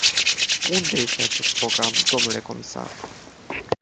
Unde este acest program, dle comisar?